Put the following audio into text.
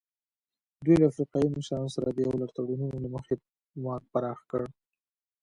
دوی له افریقایي مشرانو سره د یو لړ تړونونو له مخې واک پراخ کړ.